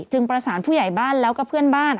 ประสานผู้ใหญ่บ้านแล้วก็เพื่อนบ้าน